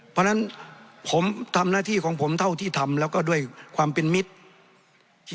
เพราะฉะนั้นผมทำหน้าที่ของผมเท่าที่ทำแล้วก็ด้วยความเป็นมิตร